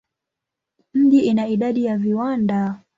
Mji ina idadi ya viwanda.